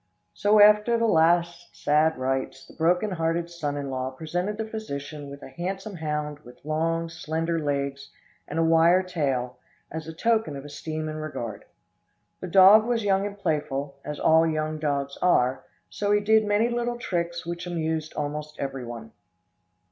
So, after the last sad rites, the broken hearted son in law presented the physician with a handsome hound with long, slender legs and a wire tail, as a token of esteem and regard. The dog was young and playful, as all young dogs are, so he did many little tricks which amused almost everyone.